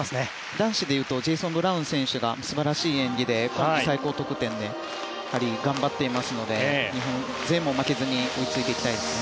男子でいうとジェイソン・ブラウン選手が素晴らしい演技で最高得点で頑張っていますので日本勢も負けずに追いついていきたいですね。